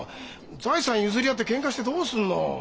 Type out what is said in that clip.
財産譲り合ってケンカしてどうするの！